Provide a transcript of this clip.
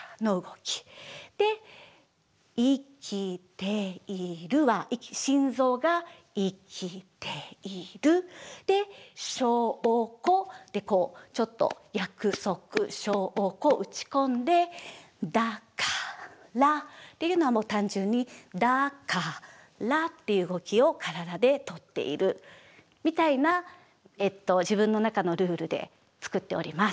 で「生きている」は心臓が「生きている」で「証拠」でこうちょっと約束証拠を打ち込んで「だから」っていうのは単純に「だから」っていう動きを体でとっているみたいな自分の中のルールで作っております。